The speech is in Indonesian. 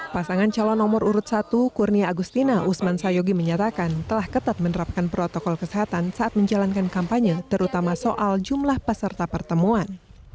pasangan calon nomor urut satu kurnia agustina usman sayogi menyatakan telah ketat menerapkan protokol kesehatan saat menjalankan kampanye terutama soal jumlah peserta pertemuan